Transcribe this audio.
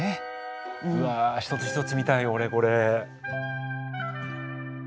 うわ一つ一つ見たい俺これ。